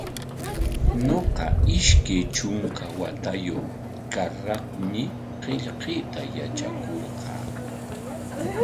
Ñuqa ishkay trunka watayuq karraqmi qillqayta yatrakurqaa.